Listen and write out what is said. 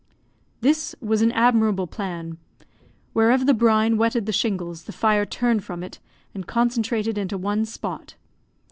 This was an admirable plan. Wherever the brine wetted the shingles, the fire turned from it, and concentrated into one spot.